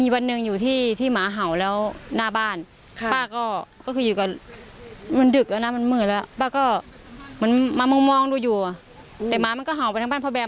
สงสัยเป็นชาวบ้านเหมือนกันเหรอ